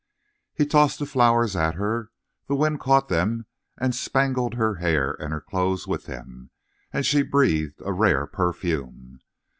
He tossed the flowers at her; the wind caught them and spangled her hair and her clothes with them, and she breathed a rare perfume.